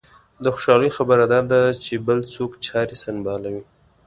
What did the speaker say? د خوشالۍ خبره دا ده چې بل څوک چارې سنبالوي.